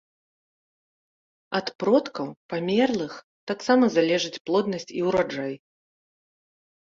Ад продкаў, памерлых таксама залежыць плоднасць і ўраджай.